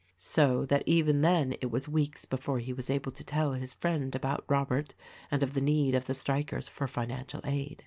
So that even then it was weeks before he was able to tell his friend about Robert and of the need of the strikers for financial aid.